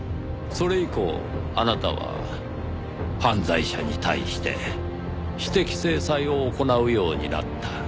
それ以降あなたは犯罪者に対して私的制裁を行うようになった。